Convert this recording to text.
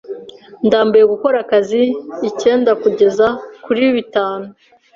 Ndambiwe gukora akazi icyenda kugeza kuri bitanu.